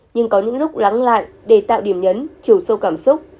nhưng có những lúc lắng lại để tạo điểm nhấn chiều sâu cảm xúc